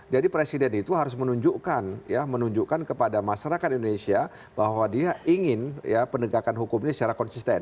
jadi presiden itu harus menunjukkan ya menunjukkan kepada masyarakat indonesia bahwa dia ingin ya penegakan hukumnya secara konsisten